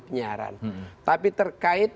penyiaran tapi terkait